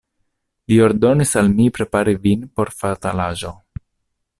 Li ordonis al mi prepari vin por fatalaĵo.